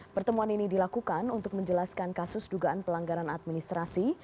pertemuan ini dilakukan untuk menjelaskan kasus dugaan pelanggaran administrasi